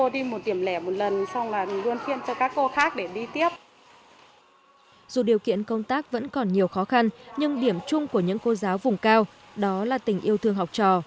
dù điều kiện công tác vẫn còn nhiều khó khăn nhưng điểm chung của những cô giáo vùng cao đó là tình yêu thương học trò